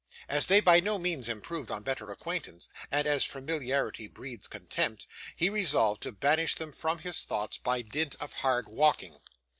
As they by no means improved on better acquaintance, and as familiarity breeds contempt, he resolved to banish them from his thoughts by dint of hard walking.